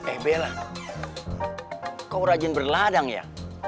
eh bella kau rajin berladang ya